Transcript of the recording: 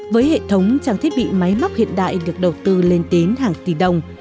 với hệ thống trang thiết bị máy móc hiện đại được đầu tư lên đến hàng tỷ đồng